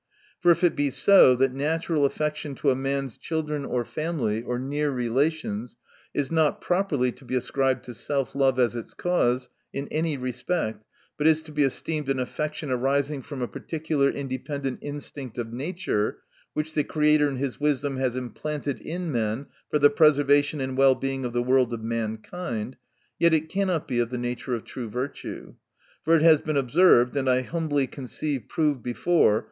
For if it be so, that natural affection to a man's children or family, or near relations, is not properly to be ascribed to self love, as its cause, in any respect, but is to be esteemed an affection arising from a particular independent instinct of nature, which the Creator in his wisdom has implanted in men for the preservation and well being of the world of mankind, yet it cannot be of the nature of true virtue. For it has been observed, and I humbly conceive, proved before (Chap.